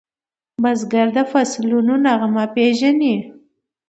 بزګر د فصلونو نغمه پیژني